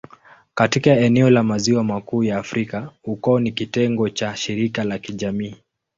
Katika eneo la Maziwa Makuu ya Afrika, ukoo ni kitengo cha shirika la kijamii.